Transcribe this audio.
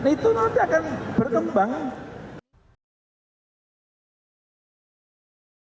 itu nanti akan bertemu